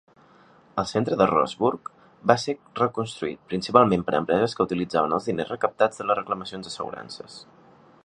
El centre de Roseburg va ser reconstruït, principalment per empreses que utilitzaven els diners recaptats de les reclamacions d'assegurances.